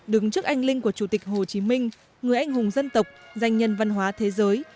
đứng trước anh linh của chủ tịch hồ chí minh người anh hùng dân tộc danh nhân văn hóa thế giới